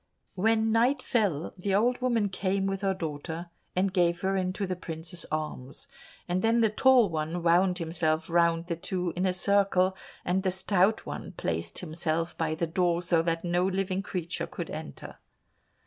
When night fell, the old woman came with her daughter, and gave her into the princes's arms, and then the Tall One wound himself round the two in a circle, and the Stout One placed himself by the door, so that no living creature could enter.